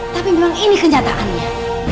tapi bilang ini kenyataannya